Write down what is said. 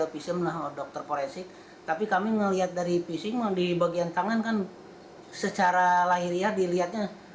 pihak kepolisian yang akan menangani masalah masalah secara ininya